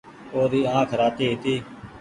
او ري آنک راتي هيتي